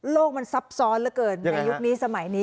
โลกมันซับซ้อนเหลือเกินยังไงครับในยุคนี้สมัยนี้